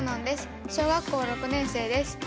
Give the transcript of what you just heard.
小学校６年生です。